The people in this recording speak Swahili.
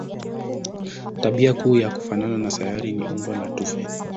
Tabia kuu ya kufanana na sayari ni umbo la tufe.